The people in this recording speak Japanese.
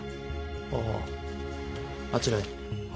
あぁあちらへ。